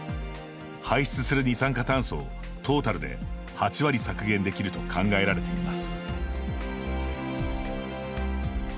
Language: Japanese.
排出する二酸化炭素をトータルで８割削減できると考えられています。